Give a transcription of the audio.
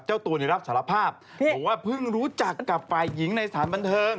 เจ้าตัวรับสารภาพบอกว่าเพิ่งรู้จักกับฝ่ายหญิงในสถานบันเทิง